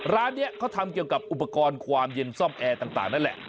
ร้านนี้เขาทำเกี่ยวกับอุปกรณ์ความเย็นซ่อมแอร์ต่างนั่นแหละ